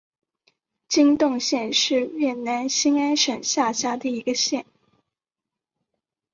金洞县是越南兴安省下辖的一个县。